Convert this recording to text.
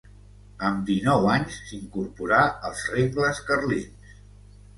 Amb dinou anys s'incorporà als rengles carlins.